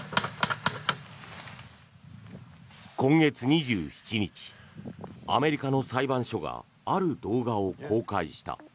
今月２７日アメリカの裁判所がある動画を公開した。